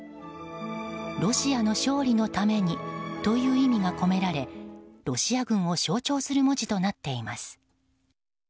ロシアの勝利のためにという意味が込められロシア軍を象徴する文字となっています。